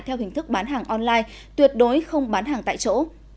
theo hình thức bán hàng online tuyệt đối không bán hàng tại chỗ